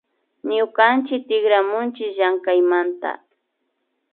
Ñukanchik tikramunchi llamkaymanta